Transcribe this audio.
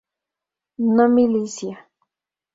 No milicia.